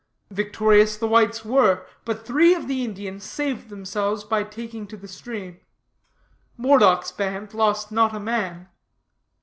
Victorious the whites were; but three of the Indians saved themselves by taking to the stream. Moredock's band lost not a man.